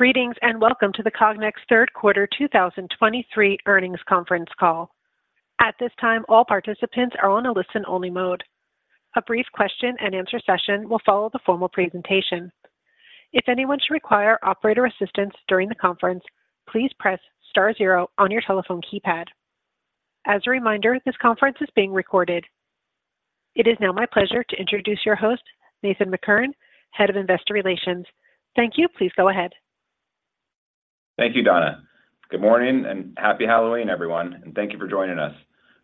Greetings, and welcome to the Cognex third quarter 2023 earnings conference call. At this time, all participants are on a listen-only mode. A brief question and answer session will follow the formal presentation. If anyone should require operator assistance during the conference, please press star zero on your telephone keypad. As a reminder, this conference is being recorded. It is now my pleasure to introduce your host, Nathan McCurren, Head of Investor Relations. Thank you. Please go ahead. Thank you, Donna. Good morning, and happy Halloween, everyone, and thank you for joining us.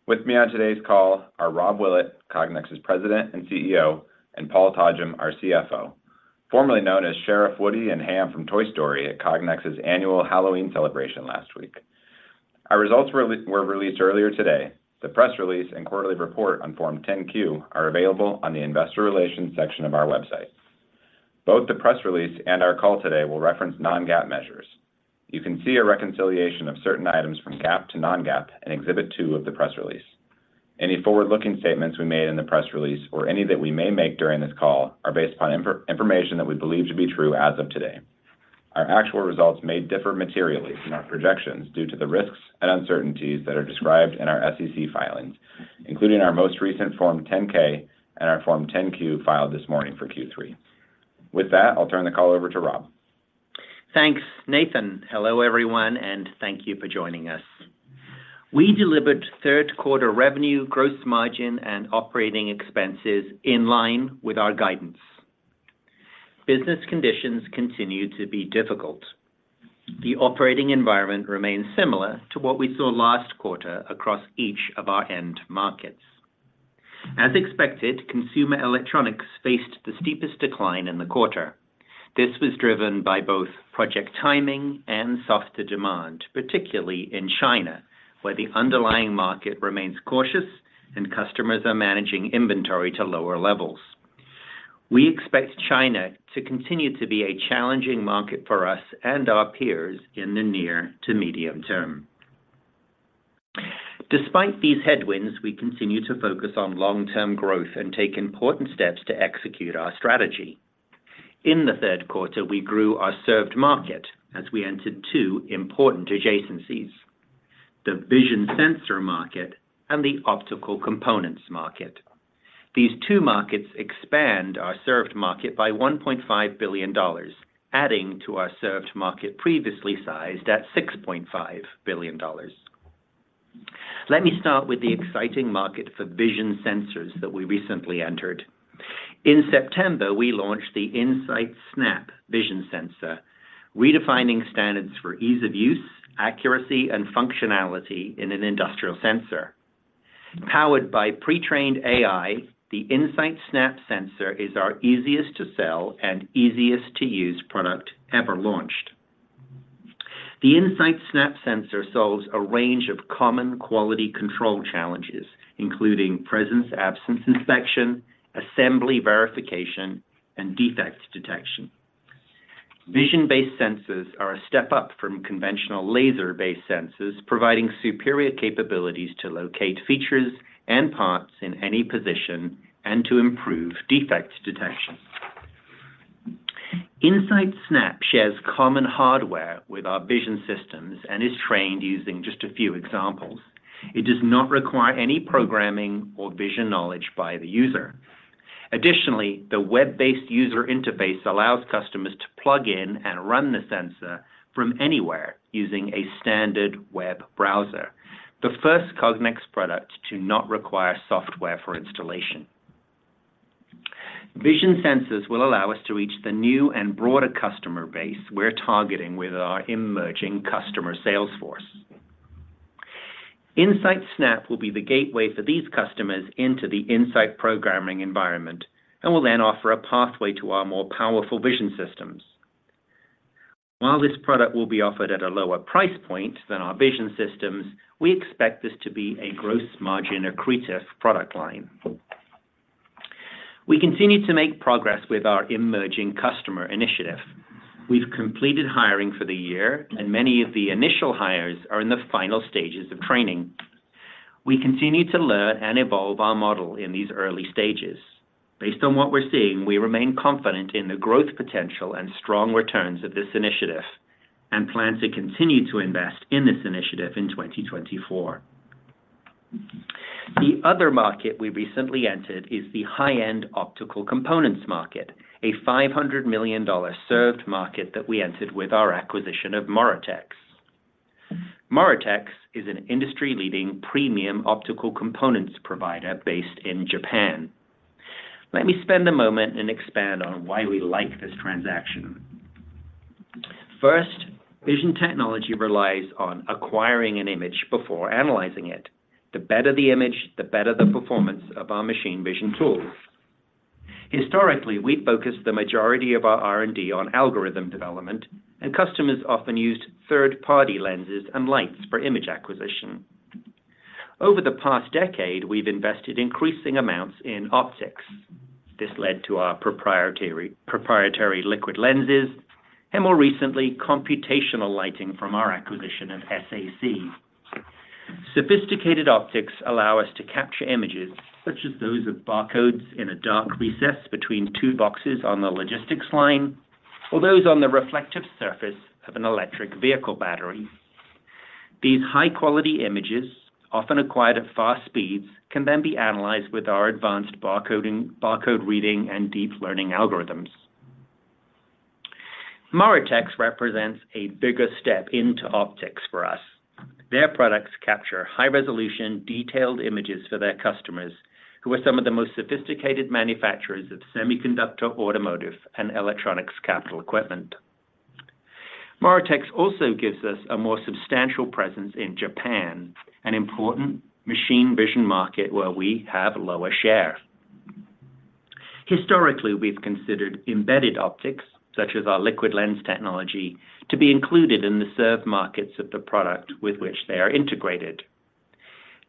With me on today's call are Rob Willett, Cognex's President and CEO, and Paul Todgham, our CFO, formerly known as Sheriff Woody and Hamm from Toy Story at Cognex's annual Halloween celebration last week. Our results were released earlier today. The press release and quarterly report on Form 10-Q are available on the investor relations section of our website. Both the press release and our call today will reference non-GAAP measures. You can see a reconciliation of certain items from GAAP to non-GAAP in Exhibit 2 of the press release. Any forward-looking statements we made in the press release or any that we may make during this call are based upon information that we believe to be true as of today. Our actual results may differ materially from our projections due to the risks and uncertainties that are described in our SEC filings, including our most recent Form 10-K and our Form 10-Q filed this morning for Q3. With that, I'll turn the call over to Rob. Thanks, Nathan. Hello, everyone, and thank you for joining us. We delivered third quarter revenue, gross margin, and operating expenses in line with our guidance. Business conditions continue to be difficult. The operating environment remains similar to what we saw last quarter across each of our end markets. As expected, consumer electronics faced the steepest decline in the quarter. This was driven by both project timing and softer demand, particularly in China, where the underlying market remains cautious and customers are managing inventory to lower levels. We expect China to continue to be a challenging market for us and our peers in the near to medium term. Despite these headwinds, we continue to focus on long-term growth and take important steps to execute our strategy. In the third quarter, we grew our served market as we entered two important adjacencies: the vision sensor market and the optical components market. These two markets expand our served market by $1.5 billion, adding to our served market previously sized at $6.5 billion. Let me start with the exciting market for vision sensors that we recently entered. In September, we launched the In-Sight SnAPP vision sensor, redefining standards for ease of use, accuracy, and functionality in an industrial sensor. Powered by pre-trained AI, the In-Sight SnAPP sensor is our easiest to sell and easiest to use product ever launched. The In-Sight SnAPP sensor solves a range of common quality control challenges, including presence/absence inspection, assembly verification, and defect detection. Vision-based sensors are a step up from conventional laser-based sensors, providing superior capabilities to locate features and parts in any position and to improve defect detection. In-Sight SnAPP shares common hardware with our vision systems and is trained using just a few examples. It does not require any programming or vision knowledge by the user. Additionally, the web-based user interface allows customers to plug in and run the sensor from anywhere using a standard web browser, the first Cognex product to not require software for installation. Vision sensors will allow us to reach the new and broader customer base we're targeting with our emerging customer sales force. In-Sight SnAPP will be the gateway for these customers into the In-Sight programming environment and will then offer a pathway to our more powerful vision systems. While this product will be offered at a lower price point than our vision systems, we expect this to be a gross margin accretive product line. We continue to make progress with our emerging customer initiative. We've completed hiring for the year, and many of the initial hires are in the final stages of training. We continue to learn and evolve our model in these early stages. Based on what we're seeing, we remain confident in the growth potential and strong returns of this initiative, and plan to continue to invest in this initiative in 2024. The other market we recently entered is the high-end optical components market, a $500 million served market that we entered with our acquisition of Moritex. Moritex is an industry-leading premium optical components provider based in Japan. Let me spend a moment and expand on why we like this transaction. First, vision technology relies on acquiring an image before analyzing it. The better the image, the better the performance of our machine vision tools. Historically, we've focused the majority of our R&D on algorithm development, and customers often used third-party lenses and lights for image acquisition. Over the past decade, we've invested increasing amounts in optics. This led to our proprietary liquid lenses and more recently, computational lighting from our acquisition of SAC. Sophisticated optics allow us to capture images, such as those of barcodes in a dark recess between two boxes on the logistics line, or those on the reflective surface of an electric vehicle battery. These high-quality images, often acquired at fast speeds, can then be analyzed with our advanced barcoding, barcode reading, and deep learning algorithms. Moritex represents a bigger step into optics for us. Their products capture high-resolution, detailed images for their customers, who are some of the most sophisticated manufacturers of semiconductor, automotive, and electronics capital equipment. Moritex also gives us a more substantial presence in Japan, an important machine vision market where we have lower share. Historically, we've considered embedded optics, such as our liquid lens technology, to be included in the served markets of the product with which they are integrated.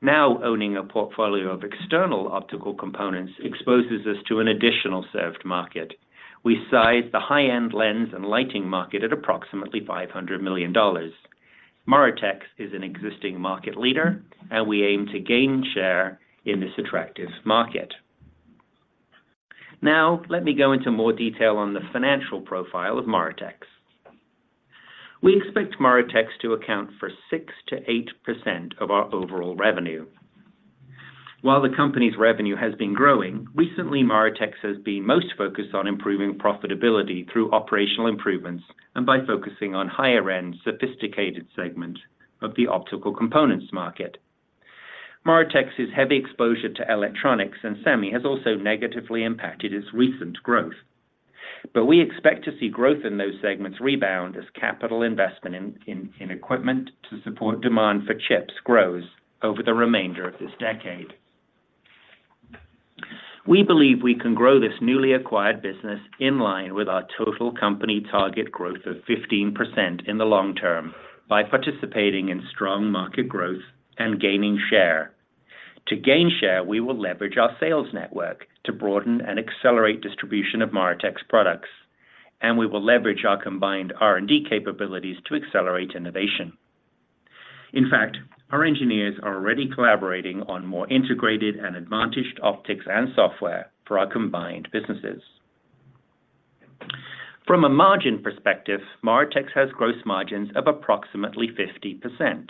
Now, owning a portfolio of external optical components exposes us to an additional served market. We size the high-end lens and lighting market at approximately $500 million. Moritex is an existing market leader, and we aim to gain share in this attractive market. Now, let me go into more detail on the financial profile of Moritex. We expect Moritex to account for 6%-8% of our overall revenue. While the company's revenue has been growing, recently, Moritex has been most focused on improving profitability through operational improvements and by focusing on higher-end, sophisticated segment of the optical components market. Moritex's heavy exposure to electronics and semi has also negatively impacted its recent growth. But we expect to see growth in those segments rebound as capital investment in equipment to support demand for chips grows over the remainder of this decade. We believe we can grow this newly acquired business in line with our total company target growth of 15% in the long term by participating in strong market growth and gaining share. To gain share, we will leverage our sales network to broaden and accelerate distribution of Moritex products, and we will leverage our combined R&D capabilities to accelerate innovation. In fact, our engineers are already collaborating on more integrated and advantaged optics and software for our combined businesses. From a margin perspective, Moritex has gross margins of approximately 50%,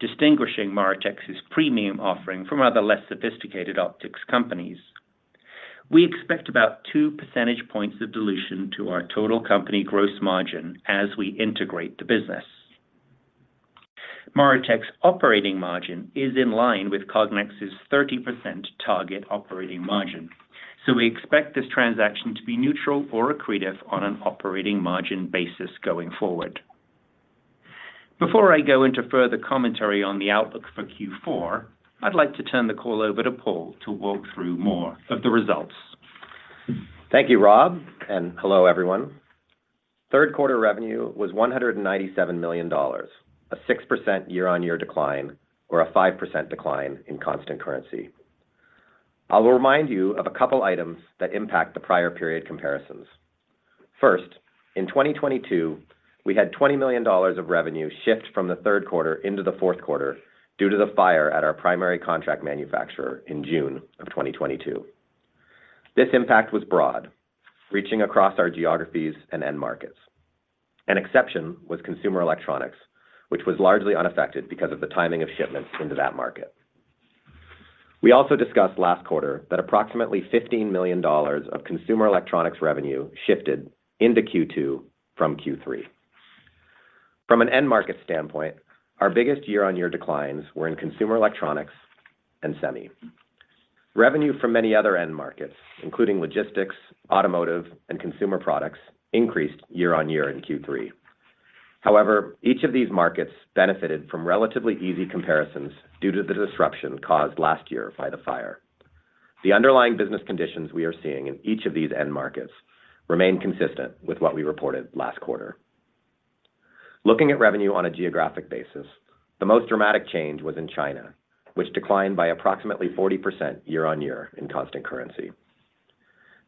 distinguishing Moritex's premium offering from other less sophisticated optics companies. We expect about two percentage points of dilution to our total company gross margin as we integrate the business. Moritex's operating margin is in line with Cognex's 30% target operating margin, so we expect this transaction to be neutral or accretive on an operating margin basis going forward. Before I go into further commentary on the outlook for Q4, I'd like to turn the call over to Paul to walk through more of the results. Thank you, Rob, and hello, everyone. Third quarter revenue was $197 million, a 6% year-on-year decline or a 5% decline in constant currency. I will remind you of a couple items that impact the prior period comparisons. First, in 2022, we had $20 million of revenue shift from the third quarter into the fourth quarter due to the fire at our primary contract manufacturer in June of 2022. This impact was broad, reaching across our geographies and end markets. An exception was consumer electronics, which was largely unaffected because of the timing of shipments into that market. We also discussed last quarter that approximately $15 million of consumer electronics revenue shifted into Q2 from Q3. From an end market standpoint, our biggest year-on-year declines were in consumer electronics and semi. Revenue from many other end markets, including logistics, automotive, and consumer products, increased year-on-year in Q3. However, each of these markets benefited from relatively easy comparisons due to the disruption caused last year by the fire. The underlying business conditions we are seeing in each of these end markets remain consistent with what we reported last quarter. Looking at revenue on a geographic basis, the most dramatic change was in China, which declined by approximately 40% year-on-year in constant currency.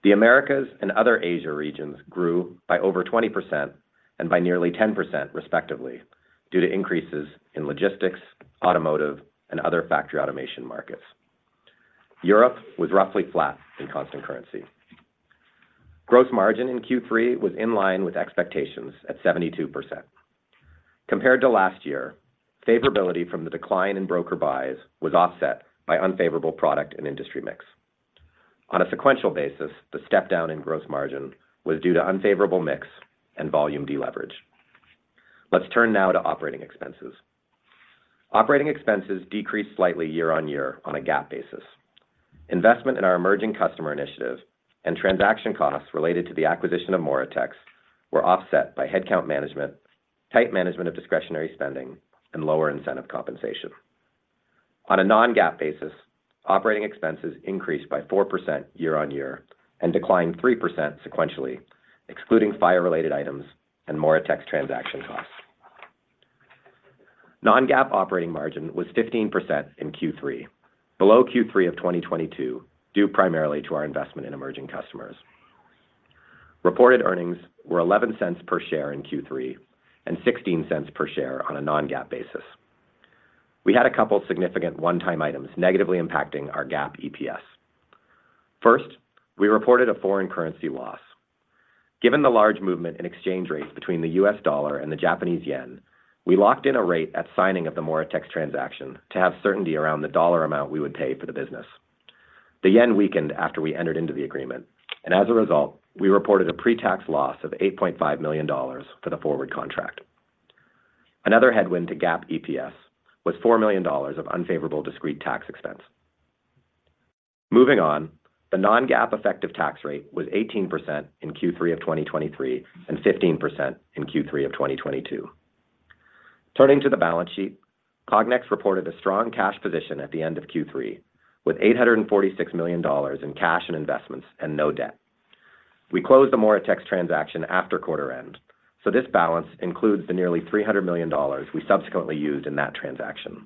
The Americas and other Asia regions grew by over 20% and by nearly 10%, respectively, due to increases in logistics, automotive, and other factory automation markets. Europe was roughly flat in constant currency. Gross margin in Q3 was in line with expectations at 72%. Compared to last year, favorability from the decline in broker buys was offset by unfavorable product and industry mix. On a sequential basis, the step down in gross margin was due to unfavorable mix and volume deleverage. Let's turn now to operating expenses. Operating expenses decreased slightly year-over-year on a GAAP basis. Investment in our emerging customer initiatives and transaction costs related to the acquisition of Moritex were offset by headcount management, tight management of discretionary spending, and lower incentive compensation. On a non-GAAP basis, operating expenses increased by 4% year-over-year and declined 3% sequentially, excluding fire-related items and Moritex transaction costs. Non-GAAP operating margin was 15% in Q3, below Q3 of 2022, due primarily to our investment in emerging customers. Reported earnings were $0.11 per share in Q3 and $0.16 per share on a non-GAAP basis. We had a couple significant one-time items negatively impacting our GAAP EPS. First, we reported a foreign currency loss. Given the large movement in exchange rates between the U.S. dollar and the Japanese yen, we locked in a rate at signing of the Moritex transaction to have certainty around the dollar amount we would pay for the business. The yen weakened after we entered into the agreement, and as a result, we reported a pre-tax loss of $8.5 million for the forward contract. Another headwind to GAAP EPS was $4 million of unfavorable discrete tax expense. Moving on, the non-GAAP effective tax rate was 18% in Q3 of 2023, and 15% in Q3 of 2022. Turning to the balance sheet, Cognex reported a strong cash position at the end of Q3, with $846 million in cash and investments and no debt. We closed the Moritex transaction after quarter end, so this balance includes the nearly $300 million we subsequently used in that transaction.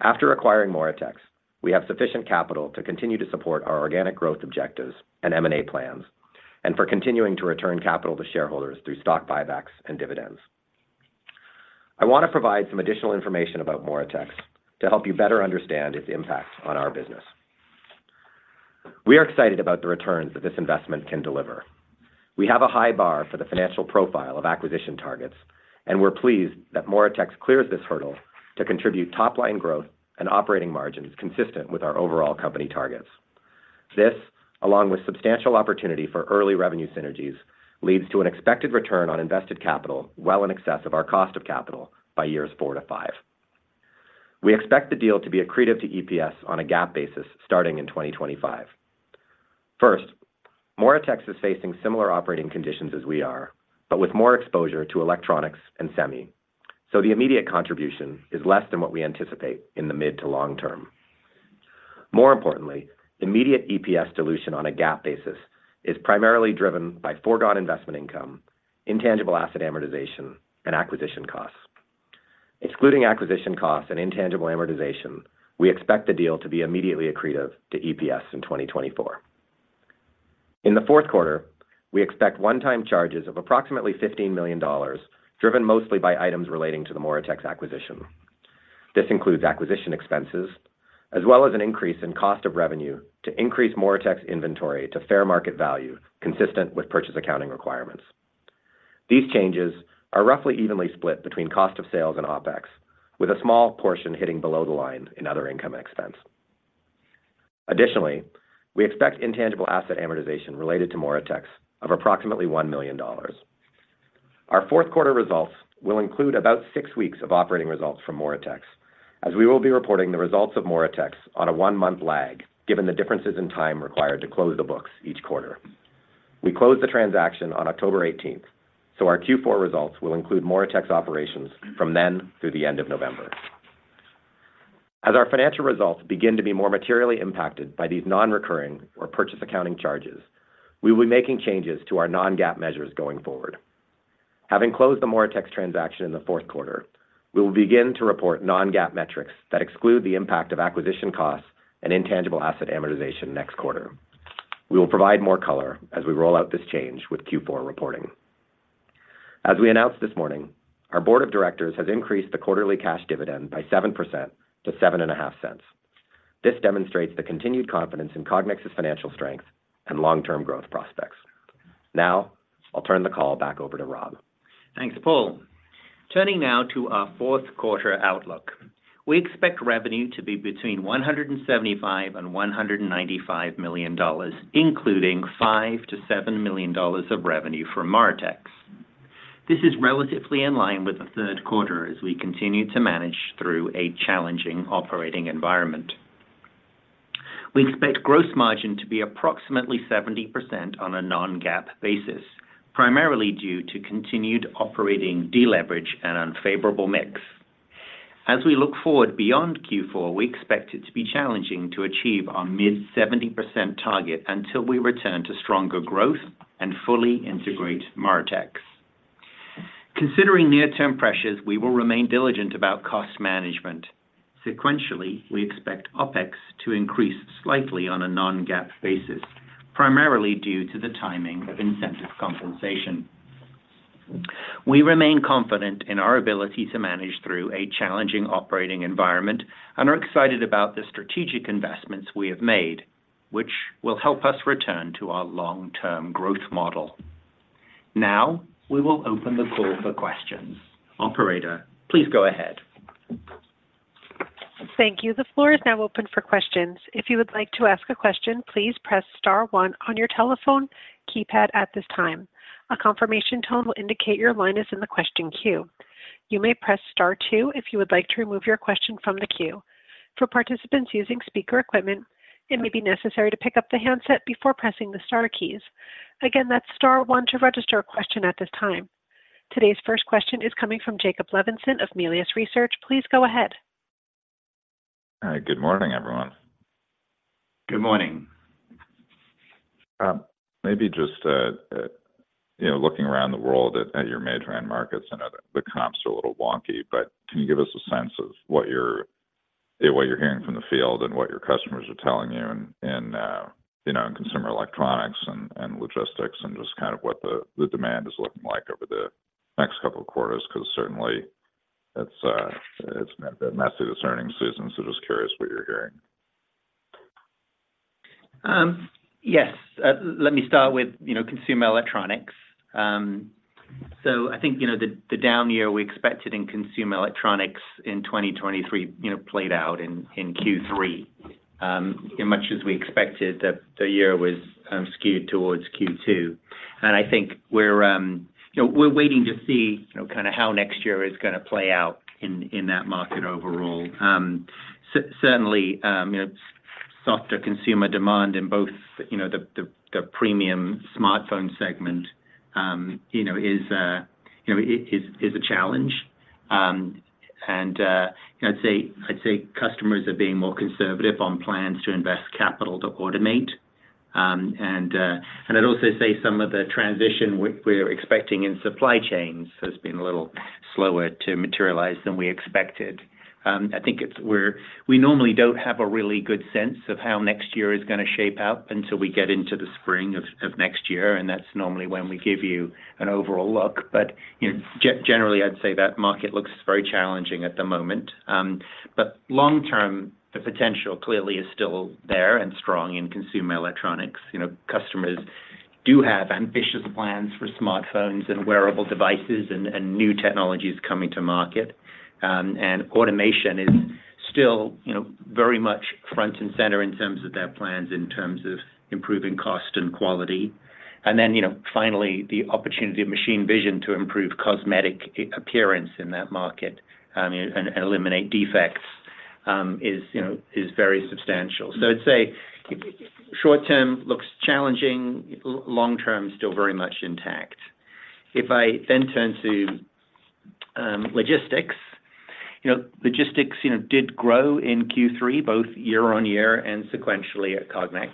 After acquiring Moritex, we have sufficient capital to continue to support our organic growth objectives and M&A plans, and for continuing to return capital to shareholders through stock buybacks and dividends. I want to provide some additional information about Moritex to help you better understand its impact on our business. We are excited about the returns that this investment can deliver. We have a high bar for the financial profile of acquisition targets, and we're pleased that Moritex clears this hurdle to contribute top-line growth and operating margins consistent with our overall company targets. This, along with substantial opportunity for early revenue synergies, leads to an expected return on invested capital well in excess of our cost of capital by years four to five. We expect the deal to be accretive to EPS on a GAAP basis starting in 2025. First, Moritex is facing similar operating conditions as we are, but with more exposure to electronics and semi, so the immediate contribution is less than what we anticipate in the mid to long term. More importantly, immediate EPS dilution on a GAAP basis is primarily driven by foregone investment income, intangible asset amortization, and acquisition costs. Excluding acquisition costs and intangible amortization, we expect the deal to be immediately accretive to EPS in 2024. In the fourth quarter, we expect one-time charges of approximately $15 million, driven mostly by items relating to the Moritex acquisition. This includes acquisition expenses, as well as an increase in cost of revenue to increase Moritex inventory to fair market value, consistent with purchase accounting requirements. These changes are roughly evenly split between cost of sales and OpEx, with a small portion hitting below the line in other income and expense. Additionally, we expect intangible asset amortization related to Moritex of approximately $1 million. Our fourth quarter results will include about six weeks of operating results from Moritex, as we will be reporting the results of Moritex on a one-month lag, given the differences in time required to close the books each quarter. We closed the transaction on October eighteenth, so our Q4 results will include Moritex operations from then through the end of November. As our financial results begin to be more materially impacted by these non-recurring or purchase accounting charges, we will be making changes to our non-GAAP measures going forward. Having closed the Moritex transaction in the fourth quarter, we will begin to report non-GAAP metrics that exclude the impact of acquisition costs and intangible asset amortization next quarter. We will provide more color as we roll out this change with Q4 reporting. As we announced this morning, our board of directors has increased the quarterly cash dividend by 7% to $0.075. This demonstrates the continued confidence in Cognex's financial strength and long-term growth prospects. Now, I'll turn the call back over to Rob. Thanks, Paul. Turning now to our fourth quarter outlook. We expect revenue to be between $175 million and $195 million, including $5 million-$7 million of revenue from Moritex. This is relatively in line with the third quarter as we continue to manage through a challenging operating environment. We expect gross margin to be approximately 70% on a non-GAAP basis, primarily due to continued operating deleverage and unfavorable mix. As we look forward beyond Q4, we expect it to be challenging to achieve our mid-70% target until we return to stronger growth and fully integrate Moritex. Considering near-term pressures, we will remain diligent about cost management. Sequentially, we expect OpEx to increase slightly on a non-GAAP basis, primarily due to the timing of incentive compensation. We remain confident in our ability to manage through a challenging operating environment and are excited about the strategic investments we have made, which will help us return to our long-term growth model. Now, we will open the call for questions. Operator, please go ahead. Thank you. The floor is now open for questions. If you would like to ask a question, please press star one on your telephone keypad at this time. A confirmation tone will indicate your line is in the question queue. You may press star two if you would like to remove your question from the queue. For participants using speaker equipment, it may be necessary to pick up the handset before pressing the star keys. Again, that's star one to register a question at this time. Today's first question is coming from Jacob Levinson of Melius Research. Please go ahead. Hi. Good morning, everyone. Good morning. Maybe just, you know, looking around the world at your major end markets. I know the comps are a little wonky, but can you give us a sense of what you're hearing from the field and what your customers are telling you and, you know, in consumer electronics and logistics, and just kind of what the demand is looking like over the next couple of quarters, because certainly it's not that messy discerning season, so just curious what you're hearing. Yes. Let me start with, you know, consumer electronics. So I think, you know, the down year we expected in consumer electronics in 2023, you know, played out in Q3. Much as we expected, the year was skewed towards Q2. And I think we're, you know, waiting to see, you know, kind of how next year is going to play out in that market overall. Certainly, you know, softer consumer demand in both, you know, the premium smartphone segment, you know, is a challenge. And I'd say customers are being more conservative on plans to invest capital to automate. And I'd also say some of the transition we're expecting in supply chains has been a little slower to materialize than we expected. I think we normally don't have a really good sense of how next year is going to shape out until we get into the spring of next year, and that's normally when we give you an overall look. But, you know, generally, I'd say that market looks very challenging at the moment. But long term, the potential clearly is still there and strong in consumer electronics. You know, customers do have ambitious plans for smartphones and wearable devices and new technologies coming to market. And automation is still, you know, very much front and center in terms of their plans, in terms of improving cost and quality. And then, you know, finally, the opportunity of machine vision to improve cosmetic appearance in that market, and eliminate defects, is, you know, is very substantial. So I'd say, short term looks challenging, long term, still very much intact. If I then turn to, logistics, you know, logistics, you know, did grow in Q3, both year-over-year and sequentially at Cognex.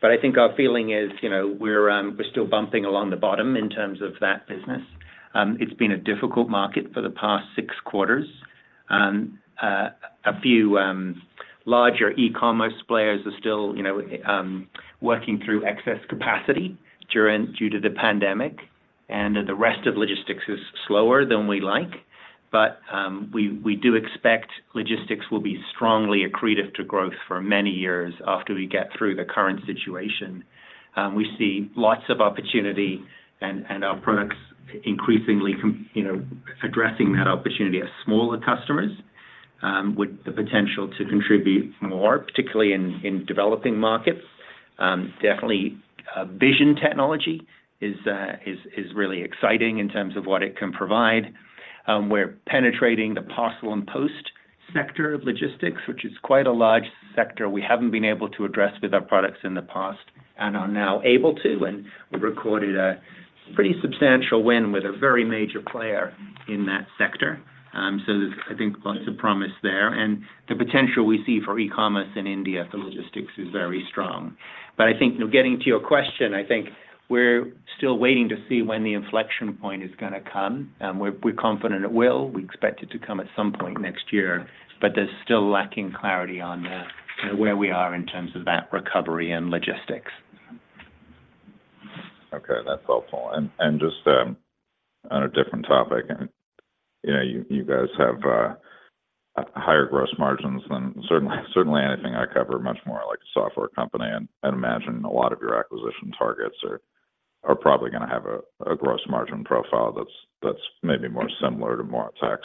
But I think our feeling is, you know, we're, we're still bumping along the bottom in terms of that business. It's been a difficult market for the past six quarters, and a few larger e-commerce players are still, you know, working through excess capacity due to the pandemic, and the rest of logistics is slower than we like. But, we do expect logistics will be strongly accretive to growth for many years after we get through the current situation. We see lots of opportunity, and our products increasingly, you know, addressing that opportunity as smaller customers, with the potential to contribute more, particularly in developing markets. Definitely, vision technology is really exciting in terms of what it can provide. We're penetrating the parcel and post sector of logistics, which is quite a large sector we haven't been able to address with our products in the past and are now able to, and we recorded a pretty substantial win with a very major player in that sector. So there's, I think, lots of promise there. And the potential we see for e-commerce in India, for logistics, is very strong. But I think, getting to your question, I think we're still waiting to see when the inflection point is going to come, and we're confident it will. We expect it to come at some point next year, but there's still lacking clarity on where we are in terms of that recovery and logistics. Okay, that's helpful. Just on a different topic, you know, you guys have higher gross margins than certainly anything I cover, much more like a software company, and I'd imagine a lot of your acquisition targets are probably going to have a gross margin profile that's maybe more similar to Moritex.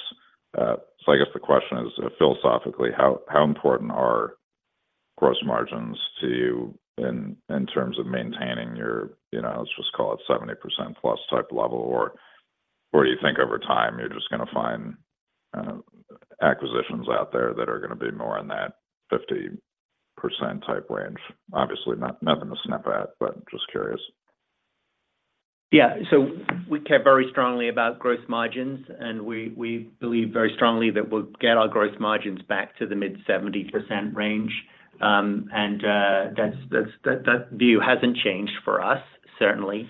So I guess the question is, philosophically, how important are gross margins to you in terms of maintaining your, you know, let's just call it 70%+ type level? Or do you think over time you're just going to find acquisitions out there that are going to be more in that 50% type range? Obviously, nothing to snap at, but just curious. Yeah. So we care very strongly about gross margins, and we believe very strongly that we'll get our gross margins back to the mid-70% range. And that's view hasn't changed for us, certainly.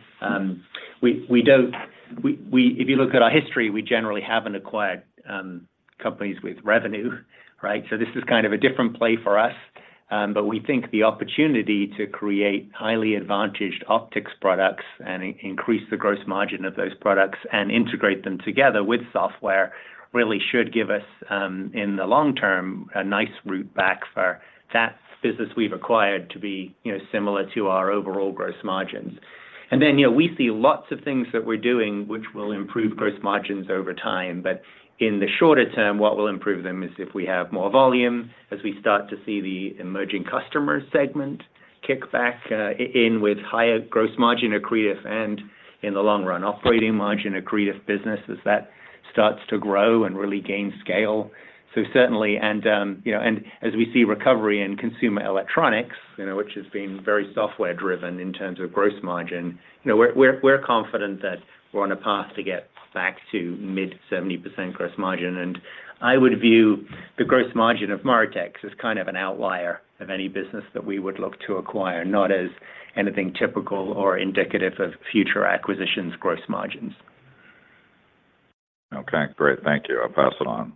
We don't – if you look at our history, we generally haven't acquired companies with revenue, right? So this is kind of a different play for us. But we think the opportunity to create highly advantaged optics products and increase the gross margin of those products and integrate them together with software, really should give us, in the long term, a nice route back for that business we've acquired to be, you know, similar to our overall gross margins. And then, you know, we see lots of things that we're doing which will improve gross margins over time. But in the shorter term, what will improve them is if we have more volume, as we start to see the emerging customer segment kick back in with higher gross margin-accretive, and in the long run, operating margin-accretive business as that starts to grow and really gain scale. So certainly, and, you know, and as we see recovery in consumer electronics, you know, which has been very software-driven in terms of gross margin, you know, we're confident that we're on a path to get back to mid-70% gross margin. And I would view the gross margin of Moritex as kind of an outlier of any business that we would look to acquire, not as anything typical or indicative of future acquisitions gross margins. Okay, great. Thank you. I'll pass it on.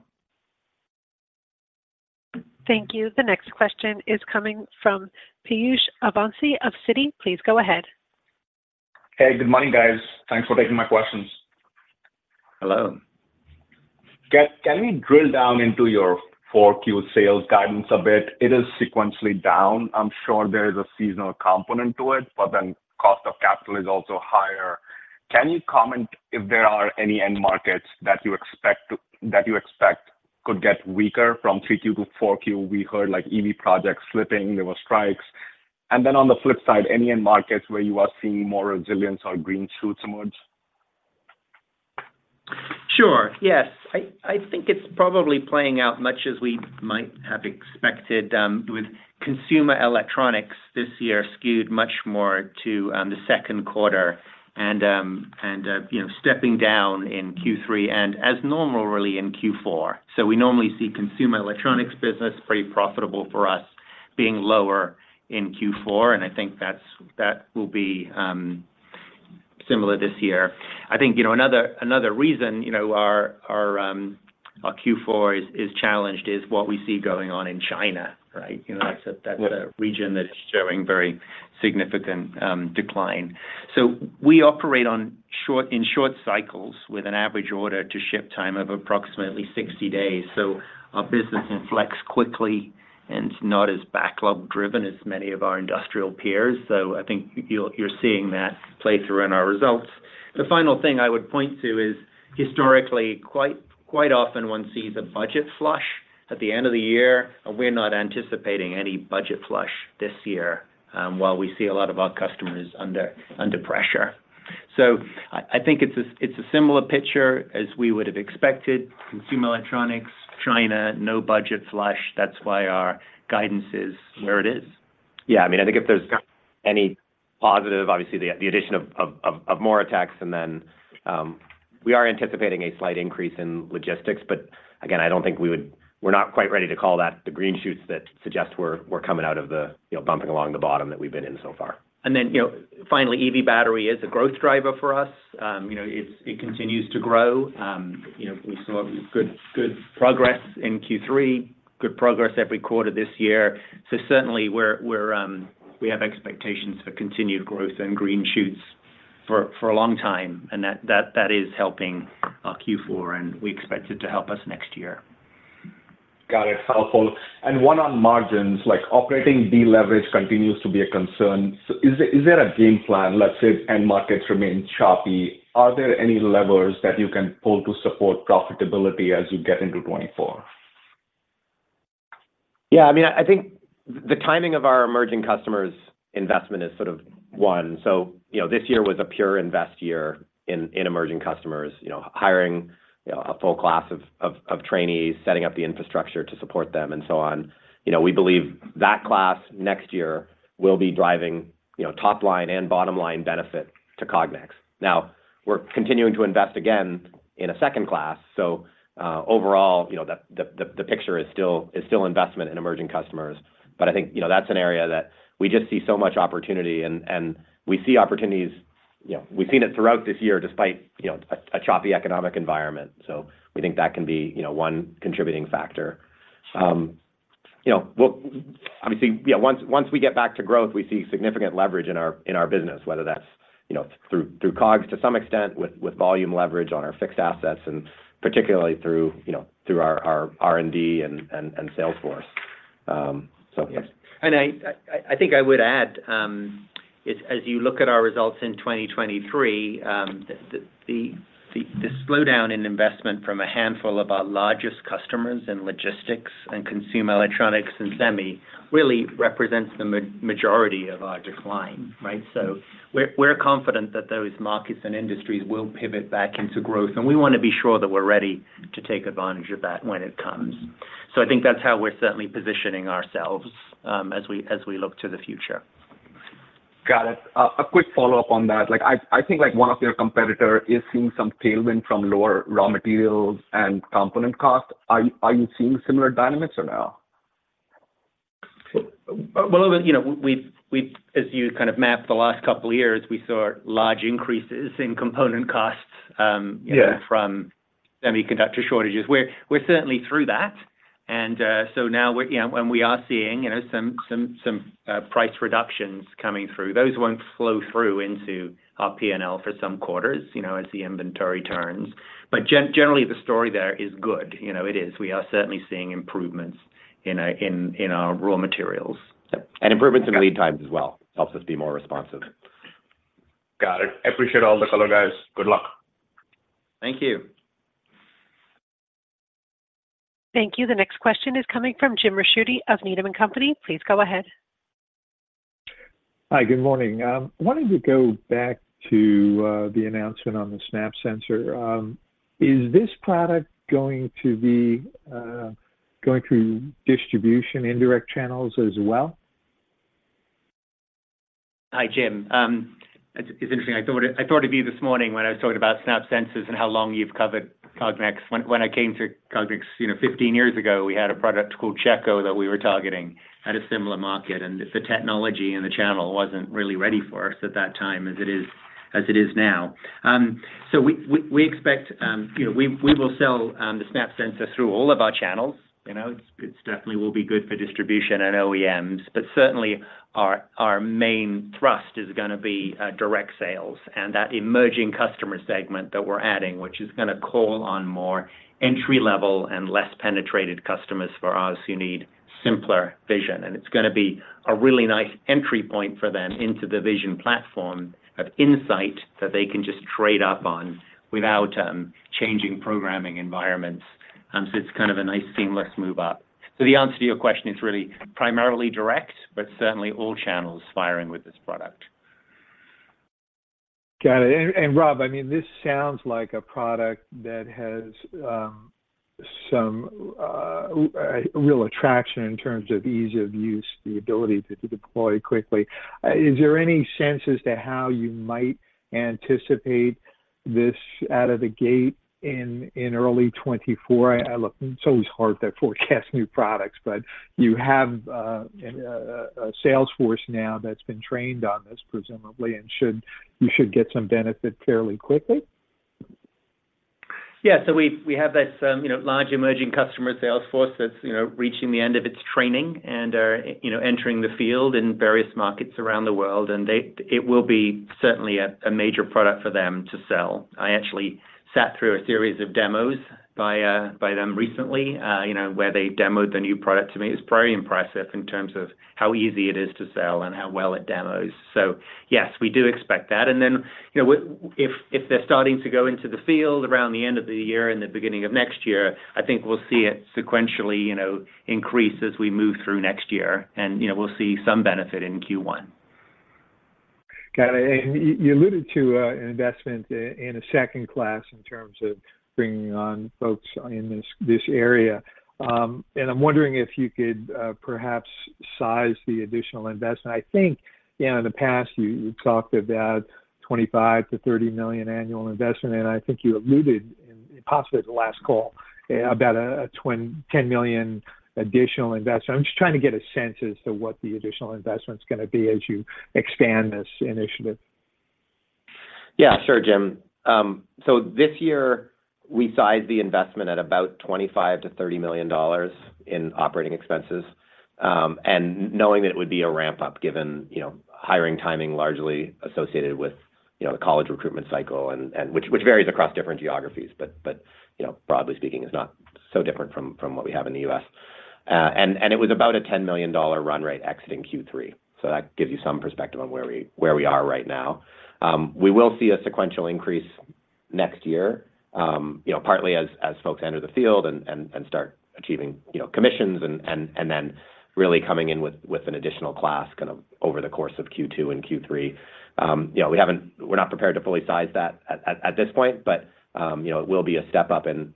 Thank you. The next question is coming from Piyush Avasthy of Citi. Please go ahead. Hey, good morning, guys. Thanks for taking my questions. Hello. Can we drill down into your 4Q sales guidance a bit? It is sequentially down. I'm sure there is a seasonal component to it, but then cost of capital is also higher. Can you comment if there are any end markets that you expect to, that you expect could get weaker from 3Q to 4Q? We heard, like, EV projects slipping, there were strikes. And then on the flip side, any end markets where you are seeing more resilience or green shoots modes? Sure. Yes. I think it's probably playing out much as we might have expected, with consumer electronics this year skewed much more to the second quarter and you know, stepping down in Q3 and as normal, really, in Q4. So we normally see consumer electronics business pretty profitable for us, being lower in Q4, and I think that's, that will be similar this year. I think you know, another reason you know, our our Q4 is challenged is what we see going on in China, right? You know, that's a region that is showing very significant decline. So we operate on short, in short cycles with an average order to ship time of approximately 60 days. So our business inflects quickly and not as backlog driven as many of our industrial peers. So I think you're seeing that play through in our results. The final thing I would point to is, historically, quite often one sees a budget flush at the end of the year, and we're not anticipating any budget flush this year, while we see a lot of our customers under pressure. So I think it's a similar picture as we would have expected. Consumer electronics, China, no budget flush, that's why our guidance is where it is. Yeah, I mean, I think if there's any positive, obviously, the addition of Moritex, and then we are anticipating a slight increase in logistics, but again, I don't think we would—we're not quite ready to call that the green shoots that suggest we're coming out of the, you know, bumping along the bottom that we've been in so far. And then, you know, finally, EV battery is a growth driver for us. You know, it continues to grow. You know, we saw good, good progress in Q3, good progress every quarter this year. So certainly, we're we have expectations for continued growth and green shoots for a long time, and that is helping our Q4, and we expect it to help us next year. Got it. Helpful. And one on margins, like, operating deleverage continues to be a concern. So is there, is there a game plan, let's say, end markets remain choppy, are there any levers that you can pull to support profitability as you get into 2024? Yeah, I mean, I think the timing of our emerging customers' investment is sort of one. So, you know, this year was a pure invest year in, in emerging customers. You know, hiring, you know, a full class of, of, of trainees, setting up the infrastructure to support them, and so on. You know, we believe that class next year will be driving, you know, top line and bottom line benefit to Cognex. Now, we're continuing to invest again in a second class, so, overall, you know, the, the, the, the picture is still, is still investment in emerging customers. But I think, you know, that's an area that we just see so much opportunity and, and we see opportunities. You know, we've seen it throughout this year, despite, you know, a, a choppy economic environment. So we think that can be, you know, one contributing factor. You know, well, obviously, yeah, once we get back to growth, we see significant leverage in our business, whether that's, you know, through COGS to some extent, with volume leverage on our fixed assets, and particularly through, you know, through our R&D and sales force. So yes. And I think I would add, as you look at our results in 2023, the slowdown in investment from a handful of our largest customers in logistics and consumer electronics and semi really represents the majority of our decline, right? So we're confident that those markets and industries will pivot back into growth, and we want to be sure that we're ready to take advantage of that when it comes. So I think that's how we're certainly positioning ourselves, as we look to the future. Got it. A quick follow-up on that. Like, I think, like, one of your competitor is seeing some tailwind from lower raw materials and component costs. Are you seeing similar dynamics or no? Well, you know, as you kind of mapped the last couple of years, we saw large increases in component costs from semiconductor shortages. We're certainly through that, and so now we're, you know, and we are seeing, you know, some price reductions coming through. Those won't flow through into our PNL for some quarters, you know, as the inventory turns. But generally, the story there is good. You know, it is. We are certainly seeing improvements in our raw materials. Yep, and improvements in lead times as well, helps us be more responsive. Got it. I appreciate all the color, guys. Good luck. Thank you. Thank you. The next question is coming from Jim Ricchiuti of Needham and Company. Please go ahead. Hi, good morning. Wanted to go back to the announcement on the SnAPP sensor. Is this product going to be going through distribution, indirect channels as well? Hi, Jim. It's interesting. I thought of you this morning when I was talking about SnAPP Sensors and how long you've covered Cognex. When I came to Cognex, you know, 15 years ago, we had a product called Checker that we were targeting at a similar market, and the technology and the channel wasn't really ready for us at that time as it is today, as it is now. So we expect, you know, we will sell the SnAPP Sensor through all of our channels. You know, it's definitely will be good for distribution and OEMs, but certainly our main thrust is gonna be direct sales and that emerging customer segment that we're adding, which is gonna call on more entry-level and less penetrated customers for us, who need simpler vision. It's gonna be a really nice entry point for them into the vision platform of In-Sight that they can just trade up on without changing programming environments. It's kind of a nice seamless move up. The answer to your question is really primarily direct, but certainly all channels firing with this product. Got it. And Rob, I mean, this sounds like a product that has some real attraction in terms of ease of use, the ability to deploy quickly. Is there any sense as to how you might anticipate this out of the gate in early 2024? Look, it's always hard to forecast new products, but you have a sales force now that's been trained on this, presumably, and you should get some benefit fairly quickly? Yeah. So we have this, you know, large emerging customer sales force that's, you know, reaching the end of its training and are, you know, entering the field in various markets around the world, and they, it will be certainly a major product for them to sell. I actually sat through a series of demos by them recently, you know, where they demoed the new product to me. It's very impressive in terms of how easy it is to sell and how well it demos. So yes, we do expect that. And then, you know, if they're starting to go into the field around the end of the year and the beginning of next year, I think we'll see it sequentially, you know, increase as we move through next year, and, you know, we'll see some benefit in Q1. Got it. And you alluded to an investment in a second class in terms of bringing on folks in this, this area. And I'm wondering if you could perhaps size the additional investment. I think, you know, in the past, you, you talked about $25-$30 million annual investment, and I think you alluded, and possibly the last call, about a $10 million additional investment. I'm just trying to get a sense as to what the additional investment is gonna be as you expand this initiative. Yeah, sure, Jim. So this year we sized the investment at about $25-$30 million in operating expenses, and knowing that it would be a ramp-up, given you know, hiring timing largely associated with you know, the college recruitment cycle and which varies across different geographies, but you know, broadly speaking, is not so different from what we have in the U.S. And it was about a $10 million run rate exiting Q3, so that gives you some perspective on where we are right now. We will see a sequential increase next year, you know, partly as folks enter the field and start achieving you know, commissions and then really coming in with an additional class, kind of, over the course of Q2 and Q3. You know, we're not prepared to fully size that at this point, but you know, it will be a step up in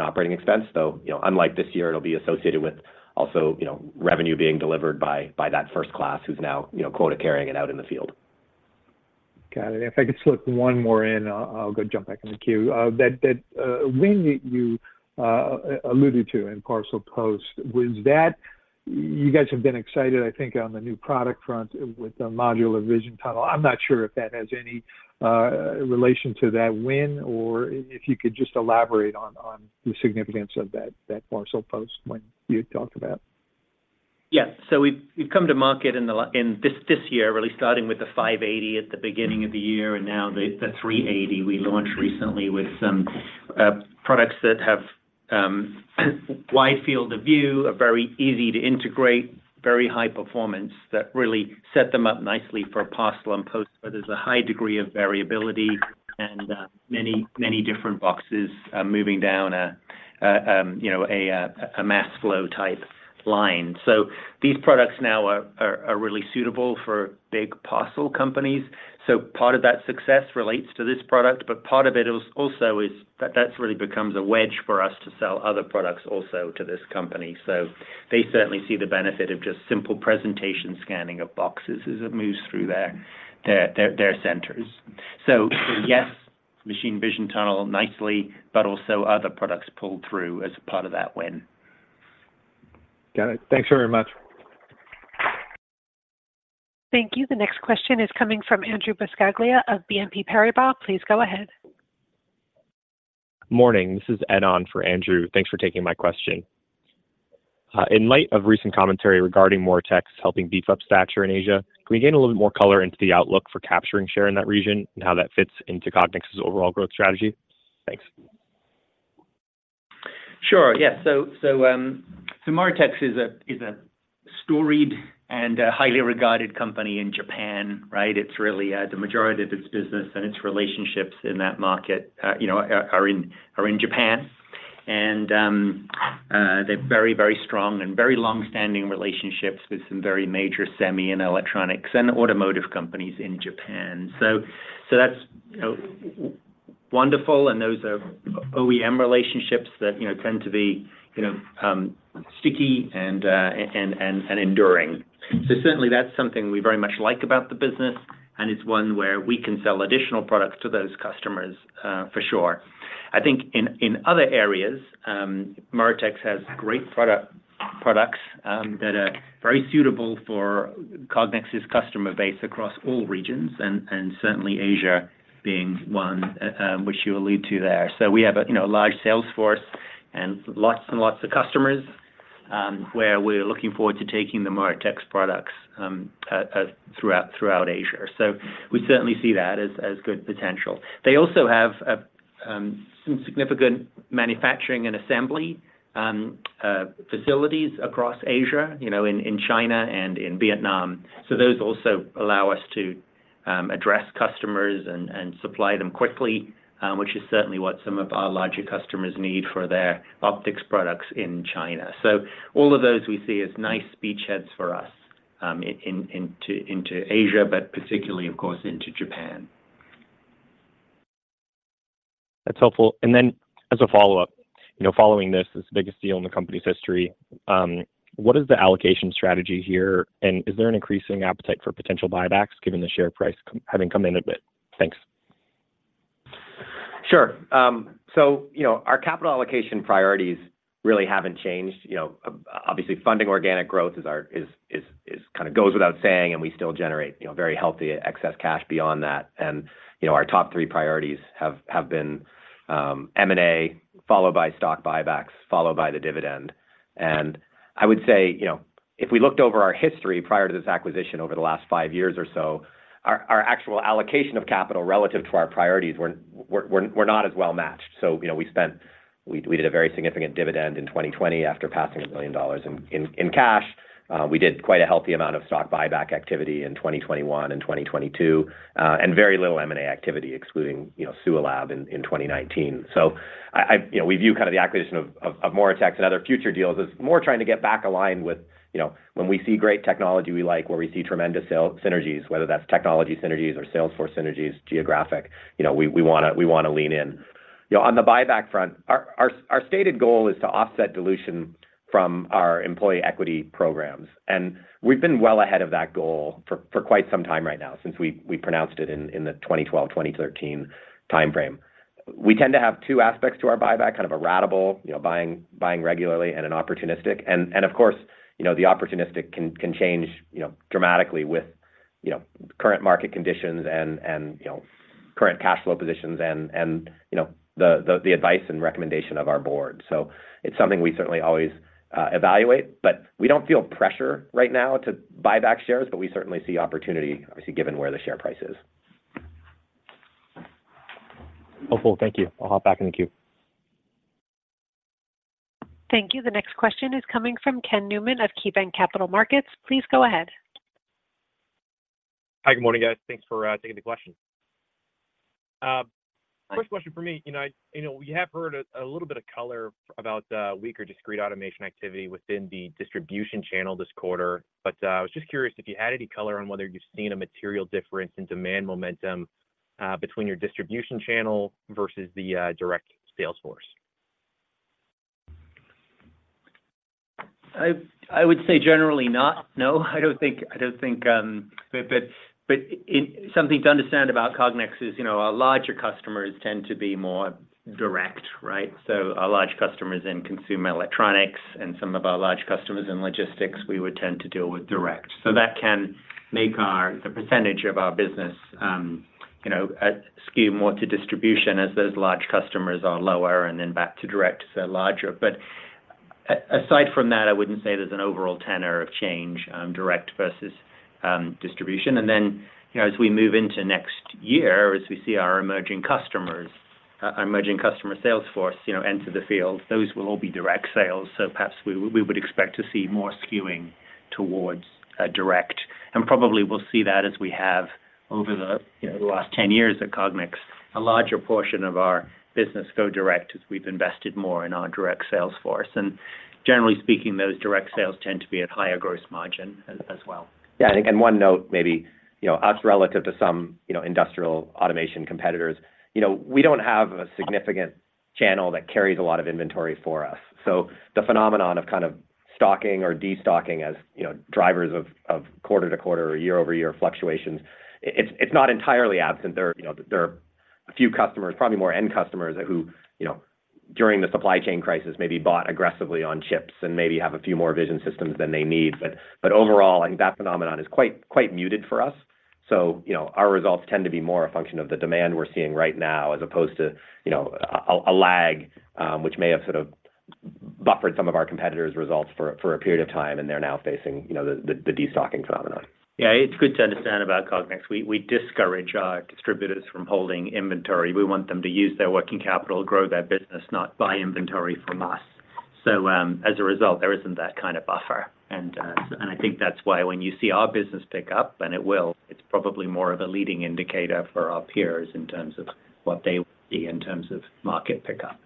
operating expense. Though, you know, unlike this year, it'll be associated with also, you know, revenue being delivered by that first class who's now, you know, quota-carrying and out in the field. Got it. If I could slip one more in, I'll go jump back in the queue. That win that you alluded to in Parcel Post, was that. You guys have been excited, I think, on the new product front with the modular vision tunnel. I'm not sure if that has any relation to that win or if you could just elaborate on the significance of that Parcel Post win you talked about. Yeah. So we've come to market in this year, really starting with the 580 at the beginning of the year, and now the 380 we launched recently with some products that have wide field of view, are very easy to integrate, very high performance, that really set them up nicely for parcel and post, where there's a high degree of variability and many, many different boxes moving down, you know, a mass flow type line. So these products now are really suitable for big parcel companies. So part of that success relates to this product, but part of it is also that that really becomes a wedge for us to sell other products also to this company. So they certainly see the benefit of just simple presentation scanning of boxes as it moves through their centers. So, yes, machine vision tunnel nicely, but also other products pulled through as a part of that win. Got it. Thanks very much. Thank you. The next question is coming from Andrew Buscaglia of BNP Paribas. Please go ahead. Morning, this is Yedohn for Andrew. Thanks for taking my question. In light of recent commentary regarding Moritex helping beef up stature in Asia, can we gain a little bit more color into the outlook for capturing share in that region and how that fits into Cognex's overall growth strategy? Thanks. Sure. Yeah. Moritex is a storied and highly regarded company in Japan, right? It's really the majority of its business and its relationships in that market, you know, are in Japan. And they're very, very strong and very long-standing relationships with some very major semi and electronics and automotive companies in Japan. So that's wonderful, and those are OEM relationships that, you know, tend to be, you know, sticky and enduring. So certainly that's something we very much like about the business, and it's one where we can sell additional products to those customers, for sure. I think in other areas, Moritex has great product-... products that are very suitable for Cognex's customer base across all regions, and certainly Asia being one, which you will lead to there. So we have a, you know, large sales force and lots and lots of customers, where we're looking forward to taking the Moritex products throughout Asia. So we certainly see that as good potential. They also have some significant manufacturing and assembly facilities across Asia, you know, in China and in Vietnam. So those also allow us to address customers and supply them quickly, which is certainly what some of our larger customers need for their optics products in China. So all of those we see as nice beachheads for us into Asia, but particularly, of course, into Japan. That's helpful. And then as a follow-up, you know, following this, this biggest deal in the company's history, what is the allocation strategy here? And is there an increasing appetite for potential buybacks, given the share price com, having come in a bit? Thanks. Sure. So, you know, our capital allocation priorities really haven't changed. You know, obviously, funding organic growth is our kind of goes without saying, and we still generate, you know, very healthy excess cash beyond that. And, you know, our top three priorities have been M&A, followed by stock buybacks, followed by the dividend. And I would say, you know, if we looked over our history prior to this acquisition over the last five years or so, our actual allocation of capital relative to our priorities were not as well matched. So, you know, we did a very significant dividend in 2020 after passing $1 billion in cash. We did quite a healthy amount of stock buyback activity in 2021 and 2022, and very little M&A activity, excluding, you know, SUALAB in 2019. So, you know, we view kind of the acquisition of Moritex and other future deals as more trying to get back aligned with, you know, when we see great technology we like, where we see tremendous sales synergies, whether that's technology synergies or salesforce synergies, geographic, you know, we wanna lean in. You know, on the buyback front, our stated goal is to offset dilution from our employee equity programs, and we've been well ahead of that goal for quite some time right now, since we pronounced it in the 2012, 2013 time frame. We tend to have two aspects to our buyback, kind of a ratable, you know, buying regularly, and an opportunistic. And of course, you know, the opportunistic can change, you know, dramatically with, you know, current market conditions and, you know, current cash flow positions and, you know, the advice and recommendation of our board. So it's something we certainly always evaluate, but we don't feel pressure right now to buy back shares, but we certainly see opportunity, obviously, given where the share price is. Hopeful. Thank you. I'll hop back in the queue. Thank you. The next question is coming from Ken Newman of KeyBanc Capital Markets. Please go ahead. Hi, good morning, guys. Thanks for taking the question. First question for me, you know, we have heard a little bit of color about weaker discrete automation activity within the distribution channel this quarter, but I was just curious if you had any color on whether you've seen a material difference in demand momentum between your distribution channel versus the direct sales force? I would say generally not, no. I don't think. But something to understand about Cognex is, you know, our larger customers tend to be more direct, right? So our large customers in consumer electronics and some of our large customers in logistics, we would tend to deal with direct. So that can make our, the percentage of our business, you know, skew more to distribution as those large customers are lower and then back to direct, so larger. But aside from that, I wouldn't say there's an overall tenor of change, direct versus distribution. And then, you know, as we move into next year, as we see our emerging customers, our emerging customer sales force, you know, enter the field, those will all be direct sales. So perhaps we would expect to see more skewing towards direct. And probably we'll see that as we have over the, you know, the last 10 years at Cognex, a larger portion of our business go direct, as we've invested more in our direct sales force. And generally speaking, those direct sales tend to be at higher gross margin as well. Yeah, and one note, maybe, you know, us relative to some, you know, industrial automation competitors, you know, we don't have a significant channel that carries a lot of inventory for us. So the phenomenon of kind of stocking or destocking as, you know, drivers of quarter-to-quarter or year-over-year fluctuations, it's not entirely absent. There are, you know, there are a few customers, probably more end customers, who, you know, during the supply chain crisis, maybe bought aggressively on chips and maybe have a few more vision systems than they need. But overall, I think that phenomenon is quite muted for us. So, you know, our results tend to be more a function of the demand we're seeing right now, as opposed to, you know, a lag, which may have sort of buffered some of our competitors' results for a period of time, and they're now facing, you know, the destocking phenomenon. Yeah, it's good to understand about Cognex. We discourage our distributors from holding inventory. We want them to use their working capital, grow their business, not buy inventory from us. So, as a result, there isn't that kind of buffer. And I think that's why when you see our business pick up, and it will, it's probably more of a leading indicator for our peers in terms of what they will see in terms of market pickup.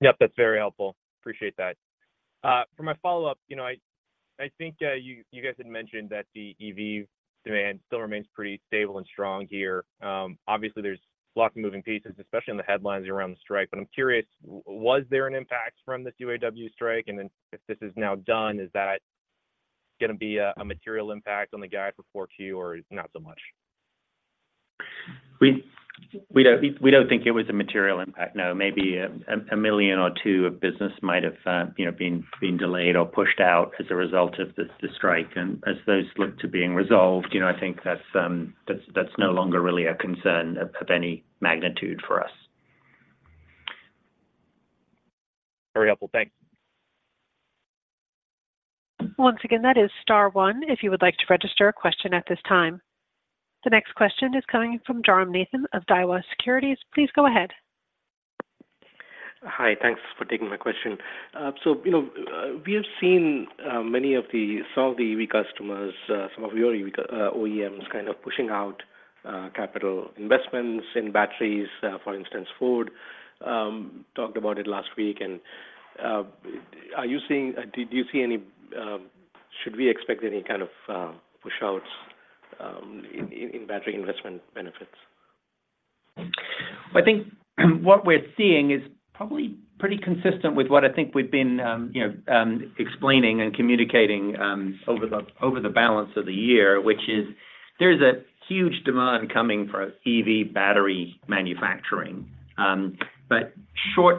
Yep, that's very helpful. Appreciate that. For my follow-up, you know, I think you guys had mentioned that the EV demand still remains pretty stable and strong here. Obviously, there's lots of moving pieces, especially in the headlines around the strike. But I'm curious, was there an impact from this UAW strike? And then if this is now done, is that gonna be a material impact on the guide for Q4, or not so much? We don't think it was a material impact, no. Maybe $1 million or $2 million of business might have, you know, been delayed or pushed out as a result of this, the strike. And as those look to being resolved, you know, I think that's no longer really a concern of any magnitude for us. Very helpful. Thanks. Once again, that is star one, if you would like to register a question at this time. The next question is coming from Jairam Nathan of Daiwa Securities. Please go ahead. Hi. Thanks for taking my question. So, you know, we have seen some of the EV customers, some of your EV OEMs kind of pushing out capital investments in batteries. For instance, Ford talked about it last week, and are you seeing, do you see any, should we expect any kind of pushouts in battery investment benefits? I think what we're seeing is probably pretty consistent with what I think we've been, you know, explaining and communicating over the balance of the year, which is there's a huge demand coming for EV battery manufacturing. But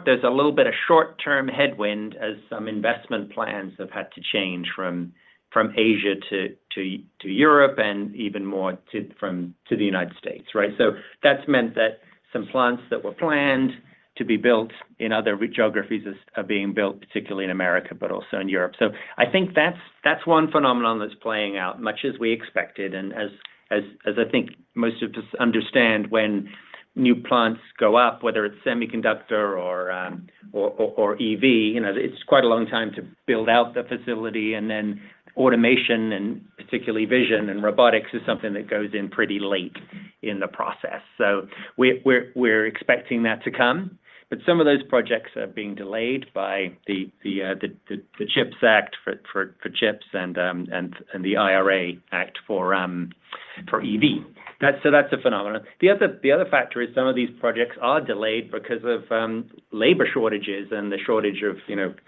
there's a little bit of short-term headwind as some investment plans have had to change from Asia to Europe and even more to the United States, right? So that's meant that some plants that were planned to be built in other geographies are being built, particularly in America, but also in Europe. So I think that's one phenomenon that's playing out, much as we expected, and as I think most of us understand, when new plants go up, whether it's semiconductor or EV, you know, it's quite a long time to build out the facility, and then automation, and particularly vision and robotics, is something that goes in pretty late in the process. So we're expecting that to come, but some of those projects are being delayed by the CHIPS Act for chips and the IRA Act for EV. That's a phenomenon. The other factor is some of these projects are delayed because of labor shortages and the shortage of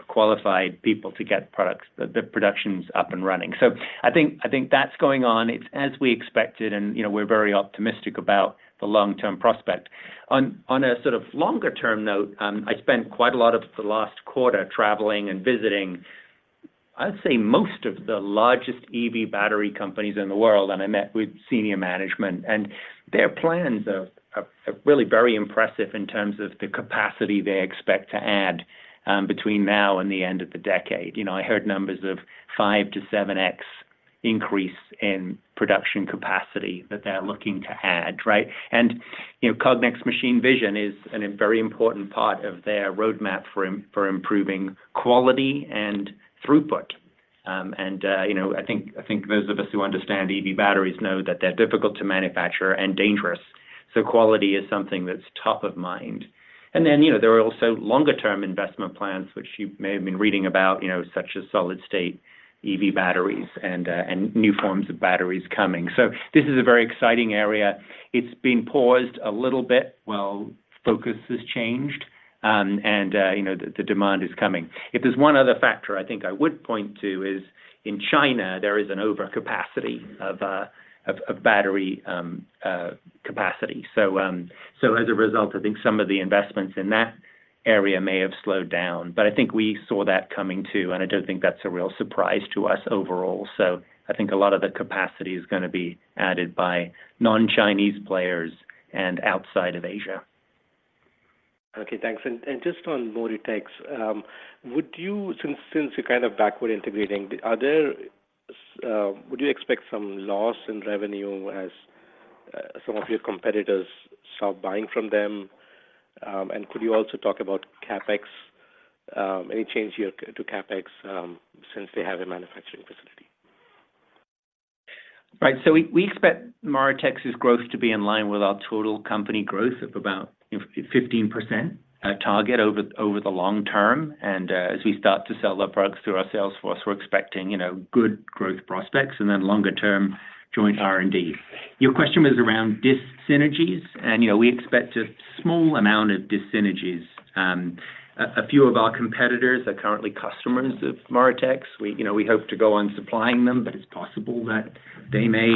qualified people to get productions up and running. So I think, I think that's going on. It's as we expected, and, you know, we're very optimistic about the long-term prospect. On, on a sort of longer-term note, I spent quite a lot of the last quarter traveling and visiting, I'd say, most of the largest EV battery companies in the world, and I met with senior management. And their plans are, are, are really very impressive in terms of the capacity they expect to add, between now and the end of the decade. You know, I heard numbers of five to seven times in production capacity that they're looking to add, right? And, you know, Cognex machine vision is an, a very important part of their roadmap for im- for improving quality and throughput. And, you know, I think, I think those of us who understand EV batteries know that they're difficult to manufacture and dangerous, so quality is something that's top of mind. And then, you know, there are also longer-term investment plans, which you may have been reading about, you know, such as solid-state EV batteries and new forms of batteries coming. So this is a very exciting area. It's been paused a little bit while focus has changed, and, you know, the demand is coming. If there's one other factor I think I would point to is, in China, there is an overcapacity of battery capacity. So, so as a result, I think some of the investments in that area may have slowed down, but I think we saw that coming, too, and I don't think that's a real surprise to us overall. So I think a lot of the capacity is gonna be added by non-Chinese players and outside of Asia. Okay, thanks. And just on Moritex, since you're kind of backward integrating, would you expect some loss in revenue as some of your competitors stop buying from them? And could you also talk about CapEx, any change to your CapEx since they have a manufacturing facility? Right. So we expect Moritex's growth to be in line with our total company growth of about 15% target over the long term. And as we start to sell their products through our sales force, we're expecting, you know, good growth prospects, and then longer-term joint R&D. Your question was around dis-synergies, and, you know, we expect a small amount of dis-synergies. A few of our competitors are currently customers of Moritex. We, you know, we hope to go on supplying them, but it's possible that they may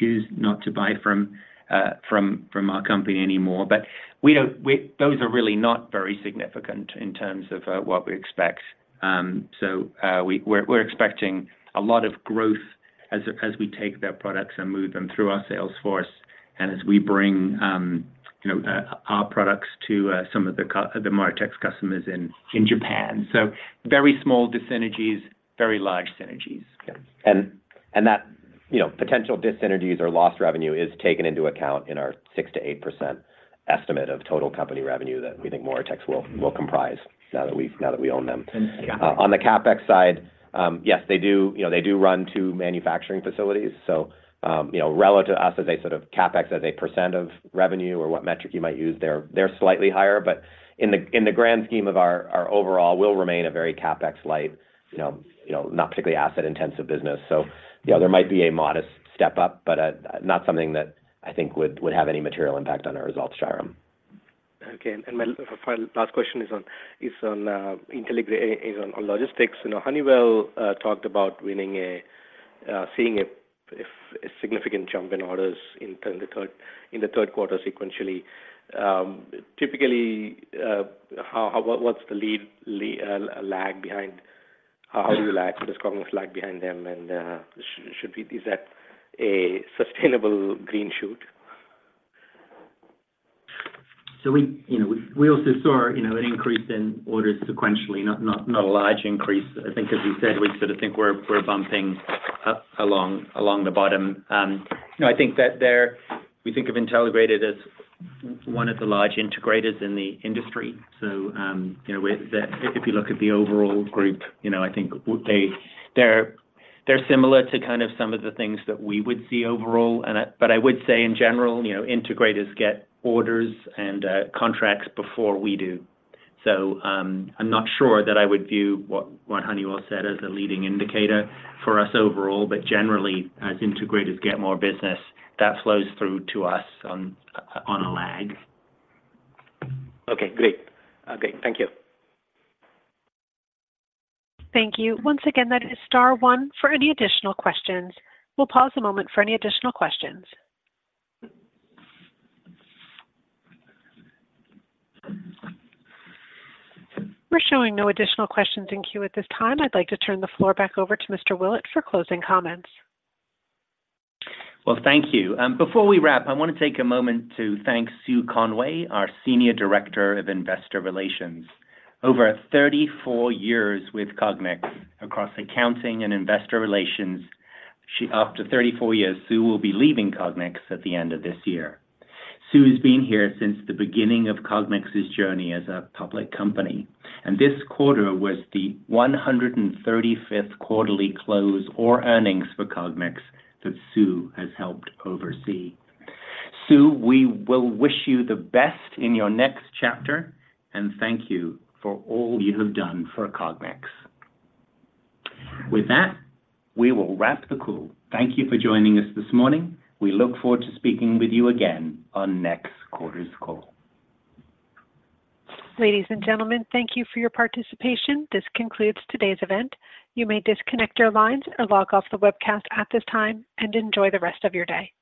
choose not to buy from our company anymore. But we don't we. Those are really not very significant in terms of what we expect. So, we're expecting a lot of growth as we take their products and move them through our sales force and as we bring you know our products to some of the Moritex customers in Japan. So very small dis-synergies, very large synergies. That you know, potential dis-synergies or lost revenue is taken into account in our 6%-8% estimate of total company revenue that we think Moritex will comprise now that we own them. And CapEx. On the CapEx side, yes, they do, you know, they do run two manufacturing facilities, so, you know, relative to us as a sort of CapEx, as a percent of revenue or what metric you might use, they're, they're slightly higher. But in the grand scheme of our overall, we'll remain a very CapEx-light, you know, not particularly asset-intensive business. So, you know, there might be a modest step-up, but not something that I think would have any material impact on our results, Jairam. Okay, and my final last question is on logistics. You know, Honeywell talked about seeing a significant jump in orders in the third quarter sequentially. Typically, what's the lead lag behind? How do you lag, does Cognex lag behind them? And should we, is that a sustainable green shoot? So we, you know, we also saw, you know, an increase in orders sequentially, not a large increase. I think, as we said, we sort of think we're bumping up along the bottom. You know, I think that there we think of Intelligrated as one of the large integrators in the industry. So, you know, with that, if you look at the overall group, you know, I think they're similar to kind of some of the things that we would see overall. But I would say in general, you know, integrators get orders and contracts before we do. So, I'm not sure that I would view what Honeywell said as a leading indicator for us overall, but generally, as integrators get more business, that flows through to us on a lag. Okay, great. Okay. Thank you. Thank you. Once again, that is star one for any additional questions. We'll pause a moment for any additional questions. We're showing no additional questions in queue at this time. I'd like to turn the floor back over to Mr. Willett for closing comments. Well, thank you. Before we wrap, I want to take a moment to thank Sue Conway, our Senior Director of Investor Relations. Over 34 years with Cognex across accounting and investor relations, she, after 34 years, Sue will be leaving Cognex at the end of this year. Sue has been here since the beginning of Cognex's journey as a public company, and this quarter was the 135th quarterly close or earnings for Cognex that Sue has helped oversee. Sue, we will wish you the best in your next chapter, and thank you for all you have done for Cognex. With that, we will wrap the call. Thank you for joining us this morning. We look forward to speaking with you again on next quarter's call. Ladies and gentlemen, thank you for your participation. This concludes today's event. You may disconnect your lines or log off the webcast at this time, and enjoy the rest of your day.